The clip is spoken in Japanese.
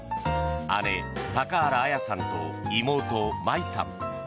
姉・高原彩さんと妹・舞さん